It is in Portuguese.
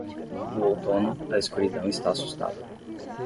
No outono, a escuridão está assustada.